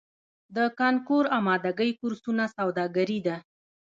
د کانکور امادګۍ کورسونه سوداګري ده؟